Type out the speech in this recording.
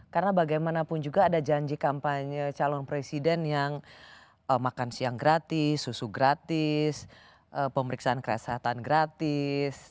karena bagaimanapun juga ada janji kampanye calon presiden yang makan siang gratis susu gratis pemeriksaan kesehatan gratis